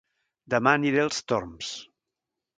Dema aniré a Els Torms